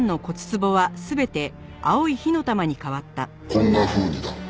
「こんなふうにだ」